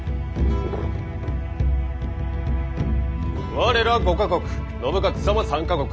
我ら５か国信雄様３か国。